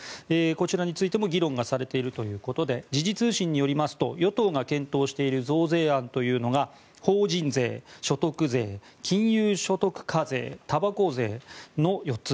こちらについても議論がされているということで時事通信によりますと与党が検討している増税案というのが法人税、所得税金融所得課税、たばこ税の４つ。